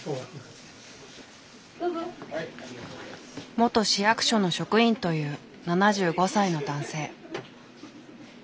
元市役所の職員という７５歳の男性。